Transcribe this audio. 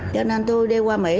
cho nên tôi đi qua mỹ